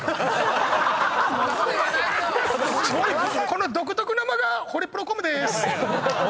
この独特な間がホリプロコムでーす。